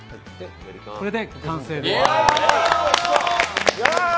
これで完成です。